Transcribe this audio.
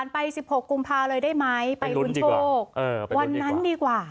ไปสิบหกกุมพาเลยได้ไหมไปลุ้นโชคอ๋อไปลุ้นดีกว่าวันนั้นดีกว่า